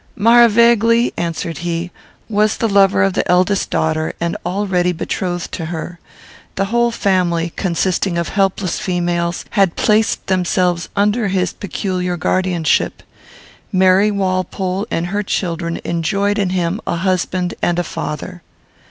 "Maravegli," answered he, "was the lover of the eldest daughter, and already betrothed to her. The whole family, consisting of helpless females, had placed themselves under his peculiar guardianship. Mary Walpole and her children enjoyed in him a husband and a father."